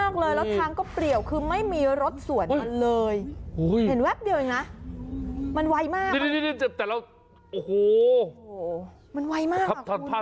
คนลุกเหมือนกันเนอะ